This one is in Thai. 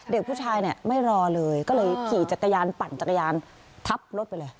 เด็กผู้ชายเนี่ยไม่รอเลยก็เลยขี่จักรยานปั่นจักรยานทับรถไปเลย